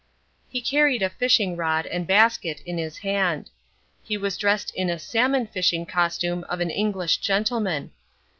He carried a fishing rod and basket in his hand. He was dressed in a salmon fishing costume of an English gentleman.